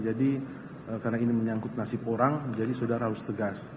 jadi karena ini menyangkut nasib orang jadi saudara harus tegas